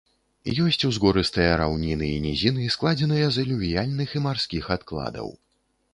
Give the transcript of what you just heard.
Ёсць узгорыстыя раўніны і нізіны, складзеныя з алювіяльных і марскіх адкладаў.